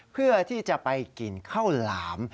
เพื่อที่จะไปกินข้าวหลาม